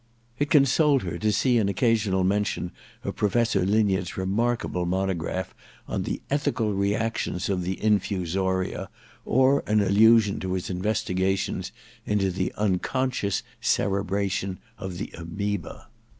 It consoled her to see an occasional mention of Professor Linyard's re markable monograph on the Ethical Reactions of the Infusoria, or an allusion to his investiga tions into the Unconscious Cerebration of the Amoeba.